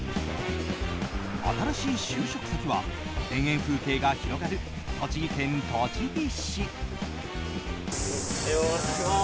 新しい就職先は田園風景が広がる栃木県栃木市。